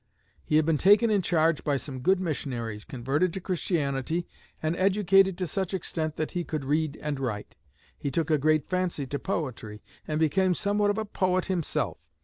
He had been taken in charge by some good missionaries, converted to Christianity, and educated to such extent that he could read and write. He took a great fancy to poetry and became somewhat of a poet himself.